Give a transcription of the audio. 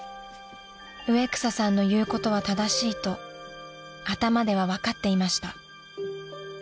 ［植草さんの言うことは正しいと頭では分かっていました］